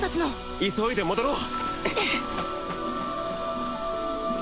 急いで戻ろう！